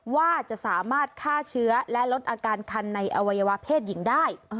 ว่าจะสามารถฆ่าเชื้อและลดอาการคันในอวัยวะเพศหญิงได้